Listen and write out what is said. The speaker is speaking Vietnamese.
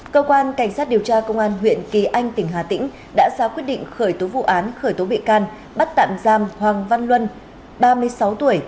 cơ quan cảnh sát điều tra công an huyện kỳ anh tỉnh hà tĩnh đã ra quyết định khởi tố vụ án khởi tố bị can bắt tạm giam hoàng văn luân ba mươi sáu tuổi